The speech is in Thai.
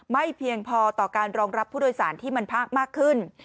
เพียงพอต่อการรองรับผู้โดยสารที่มันภาคมากขึ้น